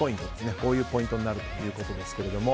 こういうポイントになっているということですけども。